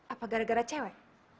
apa gara gara cewek